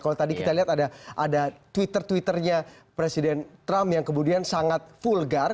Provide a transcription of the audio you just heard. kalau tadi kita lihat ada twitter twitternya presiden trump yang kemudian sangat vulgar